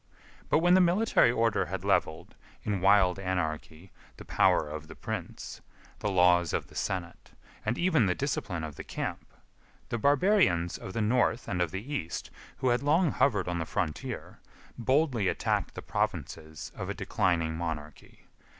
But when the military order had levelled, in wild anarchy, the power of the prince, the laws of the senate, and even the discipline of the camp, the barbarians of the North and of the East, who had long hovered on the frontier, boldly attacked the provinces of a declining monarchy.